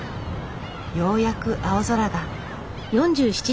ようやく青空が。